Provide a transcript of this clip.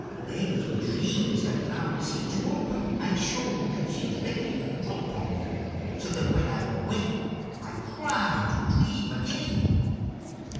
Then in dreams the clouds seem to open and show riches ready to drop on me, so that when I awake I cry to dream again."